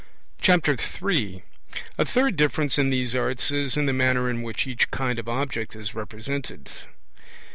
3 III. A third difference in these arts is in the manner in which each kind of object is represented.